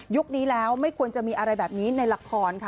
นี้แล้วไม่ควรจะมีอะไรแบบนี้ในละครค่ะ